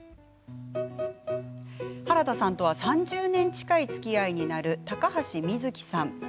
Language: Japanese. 原田さんとは３０年近いつきあいになる高橋瑞木さん。